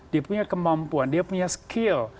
dia punya kemampuan dia punya skill